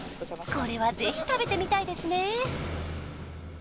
これはぜひ食べてみたいですね